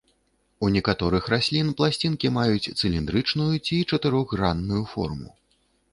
У некаторых раслін пласцінкі маюць цыліндрычную ці чатырохгранную форму.